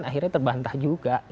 akhirnya kan terbantah juga